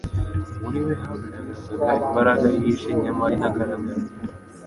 muri we hagaragazaga imbaraga yihishe nyamara inagaragara.